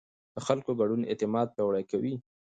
د خلکو ګډون اعتماد پیاوړی کوي